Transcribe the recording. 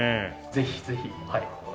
ぜひぜひ。